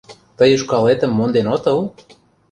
Тый ушкалетым монден отыл?